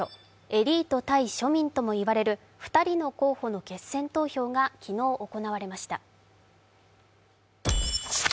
エリート対庶民ともいわれる２人の候補の決戦投票が昨日、行われました。